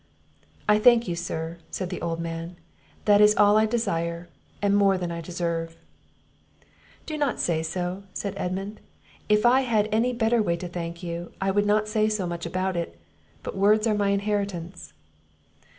"I thank you, sir," said the old man; "that is all I desire, and more than I deserve." "Do not say so," said Edmund; "if I had any better way to thank you, I would not say so much about it; but words are all my inheritance."